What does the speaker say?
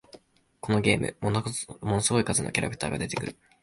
このゲーム、ものすごい数のキャラクターが出てくる